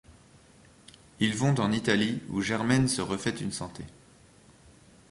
Ils vont en Italie où Germaine se refait une santé.